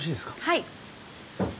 はい。